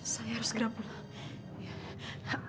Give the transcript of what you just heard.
saya harus gerak pulang